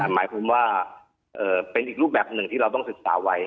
หมายความว่าเป็นอีกรูปแบบหนึ่งที่เราต้องศึกษาไว้